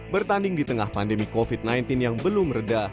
bertanding di tengah pandemi covid sembilan belas yang belum reda